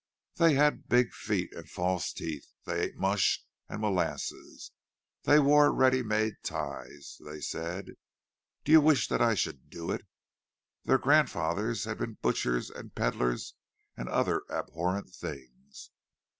They had big feet and false teeth; they ate mush and molasses; they wore ready made ties; they said: "Do you wish that I should do it?" Their grandfathers had been butchers and pedlars and other abhorrent things.